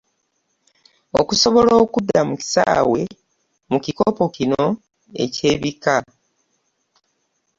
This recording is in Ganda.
Okusobola okudda mu kisaawe mu kikopo kino eky'ebika.